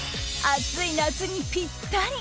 暑い夏にぴったり。